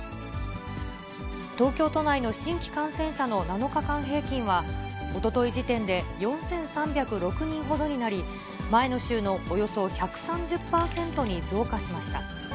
東京都内の新規感染者の７日間平均は、おととい時点で４３０６人ほどになり、前の週のおよそ１３０％に増加しました。